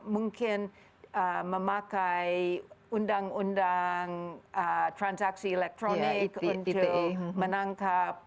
mungkin memakai undang undang transaksi elektronik untuk menangkap